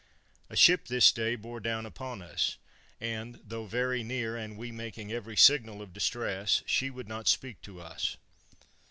A ship this day bore down upon us, and, though very near, and we making every signal of distress, she would not speak to us.